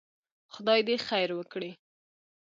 خدای دې خير وکړي.